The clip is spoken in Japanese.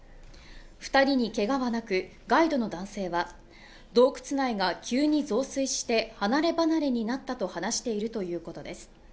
二人にけがはなくガイドの男性は洞窟内が急に増水して離れ離れになったと話しているということです